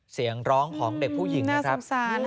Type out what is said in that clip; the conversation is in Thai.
เสียงร้องของเด็กผู้หญิงนะครับ